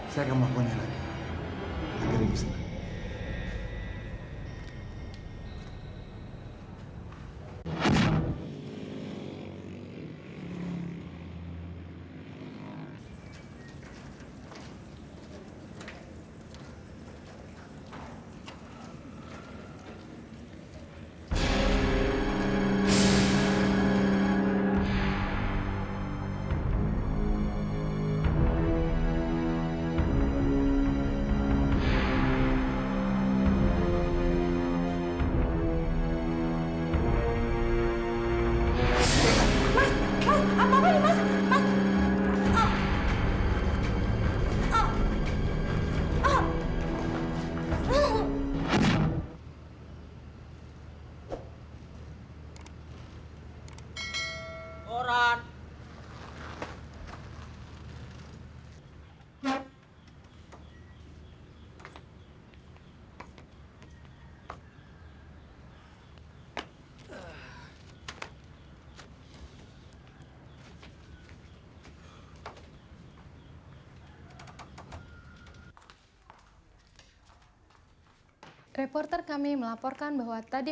saya akan memohonnya lagi